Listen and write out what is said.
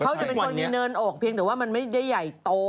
เขาจะเป็นคนมีเนินอกเพียงแต่ว่ามันไม่ได้ใหญ่โต